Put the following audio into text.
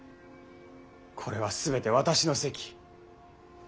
これは全て私の責。